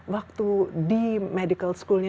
waktu di medical schoolnya